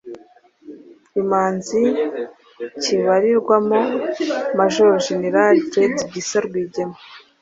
Imanzi kibarirwamo Major General Fred Gisa Rwigema.